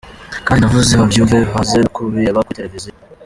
Kandi ndabivuze babyumve baze no kubireba kuri televizion.